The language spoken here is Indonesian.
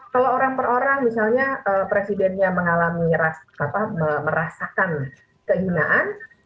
kalau orang per orang misalnya presidennya mengalami merasakan kehinaan